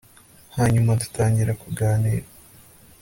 hanyuma dutangira kuganira